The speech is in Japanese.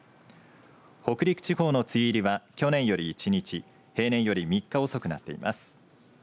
北陸地方の梅雨入りは去年より１日平年より３日遅くなっています。